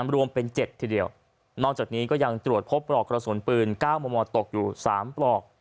รวมเป็น๗ทีเดียวนอกจากนี้ก็ยังตรวจพบปลอกกระสุนปืน๙มมตกอยู่๓ปลอก